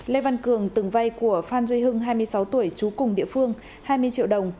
lê văn cường từng vay của phan duy hưng hai mươi sáu tuổi trú cùng địa phương hai mươi triệu đồng